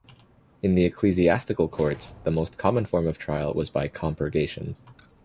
In the ecclesiastical courts, the most common form of trial was by compurgation.